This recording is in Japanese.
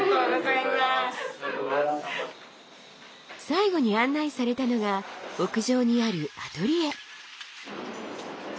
最後に案内されたのが屋上にあるアトリエ。